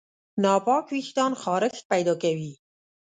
ناپاک وېښتيان خارښت پیدا کوي.